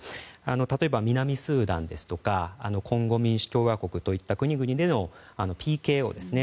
例えば、南スーダンですとかコンゴ民主共和国といった国のＰＫＯですね。